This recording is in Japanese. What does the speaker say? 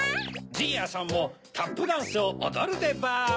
じいやさんもタップダンスをおどるでバーム。